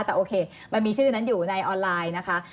แต่โอเคมันมีชื่อนั้นอยู่ในออนไลน์นะคะ